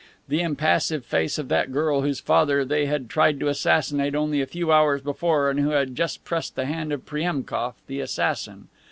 The impassive face of that girl whose father they had tried to assassinate only a few hours before and who had just pressed the hand of Priemkof, the assassin!